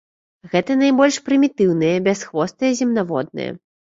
Гэта найбольш прымітыўныя бясхвостыя земнаводныя.